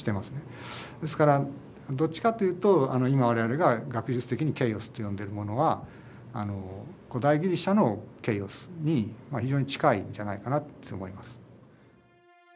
ですからどっちかというと今我々が学術的にケーオスと呼んでいるものは古代ギリシャのケーオスに非常に近いんじゃないかなって思います。